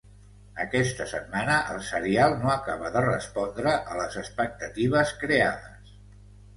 Aquesta setmana el serial no acaba de respondre a les expectatives creades.